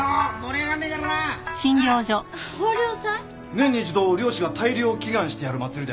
年に一度漁師が大漁を祈願してやる祭りでな。